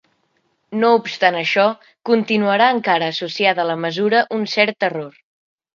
No obstant això, continuarà encara associada a la mesura un cert error.